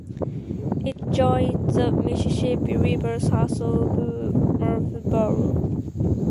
It joins the Mississippi River south of Murphysboro.